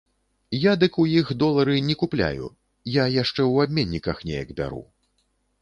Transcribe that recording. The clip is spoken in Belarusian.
Я дык ў іх долары не купляю, я яшчэ ў абменніках неяк бяру.